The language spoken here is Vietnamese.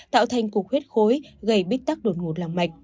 tạo thành cuộc huyết khối gây bích tắc đột ngột lòng mạch